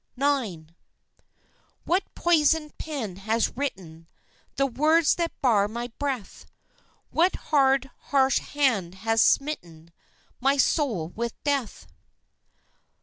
IX. What poisoned pen has written The words that bar my breath; What hard, harsh hand has smitten My soul with death?